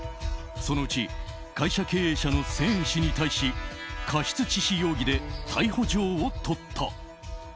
そのうち会社経営者のセーン氏に対し過失致死容疑で逮捕状を取った。